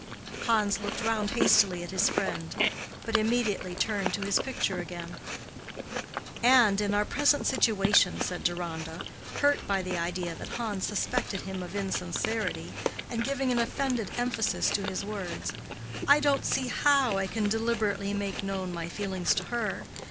Hans looked round hastily at his friend, but immediately turned to his picture again. "And in our present situation," said Deronda, hurt by the idea that Hans suspected him of insincerity, and giving an offended emphasis to his words, "I don't see how I can deliberately make known my feeling to her.